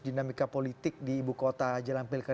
dinamika politik di ibukota jalan pilkara